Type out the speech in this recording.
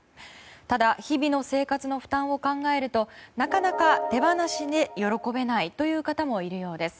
ただ日々の生活の負担を考えるとなかなか手放しで喜べない方もいるようです。